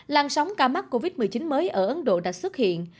lan sóng ca mắc covid một mươi chín mới ở ấn độ đã xuất hiện